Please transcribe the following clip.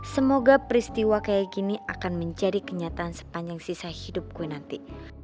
semoga peristiwa kayak gini akan menjadi kenyataan sepanjang sisa hidupku nanti